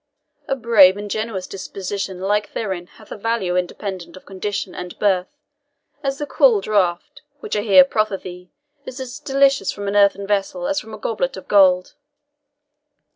A brave and generous disposition like thine hath a value independent of condition and birth, as the cool draught, which I here proffer thee, is as delicious from an earthen vessel as from a goblet of gold."